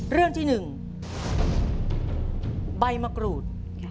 เรื่องที่๑ใบมะกรูด